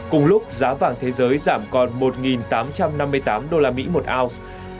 cùng lúc giá vàng thế giới giảm còn một tám trăm năm mươi tám usd một ounce